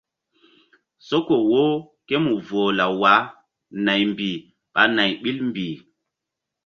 Soko wo ké mu voh law wah naymbih ɓa nay ɓil mbih.